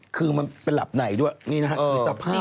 คือมันเป็นหลับไหนด้วยนี่นะฮะคือสภาพ